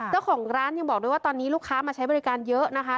เจ้าของร้านยังบอกด้วยว่าตอนนี้ลูกค้ามาใช้บริการเยอะนะคะ